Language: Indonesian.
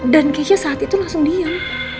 dan kece saat itu langsung diam